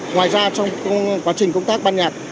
ngoài ra trong quá trình công tác ban nhạt